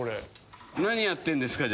何やってんですか？